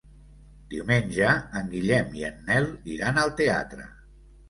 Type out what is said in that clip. Diumenge en Guillem i en Nel iran al teatre.